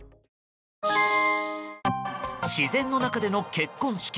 自然の中での結婚式。